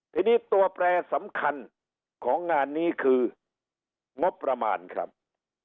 ทีนี้ตัวแปรสำคัญของงานนี้คืองบประมาณครับ